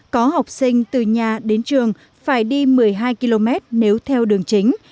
có học sinh từ nhà đến trường phải đi một mươi hai km nếu theo đường chính